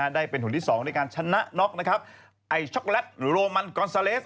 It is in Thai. ได้เป็นหุ่นที่๒ในการชนะน็อกนะครับไอช็อกแลตหรือโรมันกอนซาเลส